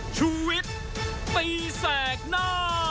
ชุวิตตีแสดหน้า